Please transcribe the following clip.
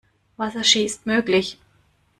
Wasserski ist möglich.